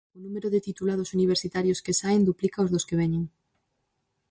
O número de titulados universitarios que saen duplica o dos que veñen.